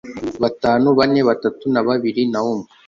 batanu, bane, batatu na babiri na umwe